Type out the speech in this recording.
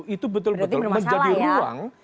itu betul betul menjadi ruang